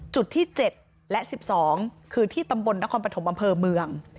จุดที่๗และ๑๒คือที่ตำบลนครปภัณฑ์ภรรณ์อำเภอเมือง